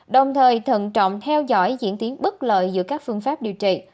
đồng thời thận trọng theo dõi diễn tiến bất lợi giữa các phương pháp điều trị